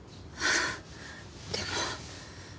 でも。